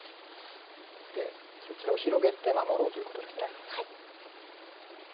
でそちらを広げて守ろうということです。